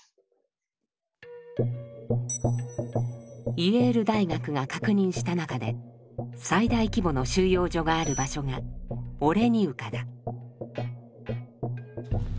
イェール大学が確認した中で最大規模の収容所がある場所がオレニウカだ。